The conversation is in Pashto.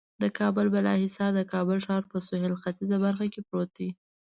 د کابل بالا حصار د کابل ښار په سهیل ختیځه برخه کې پروت دی.